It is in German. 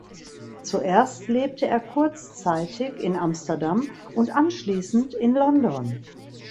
Zuerst lebte er kurzzeitig in Amsterdam und anschließend in London.